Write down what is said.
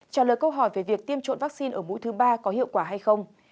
trả lời câu hỏi về việc tiêm chủng vaccine ở mũi thứ ba có hiệu quả hay không